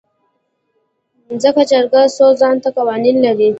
ځکه جرګه خو ځانته قوانين لري .